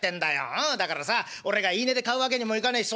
うんだからさ俺が言い値で買うわけにもいかねえし。